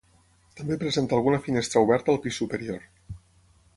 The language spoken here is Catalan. També presenta alguna finestra oberta al pis superior.